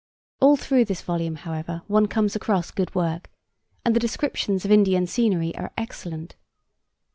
All through this volume, however, one comes across good work, and the descriptions of Indian scenery are excellent.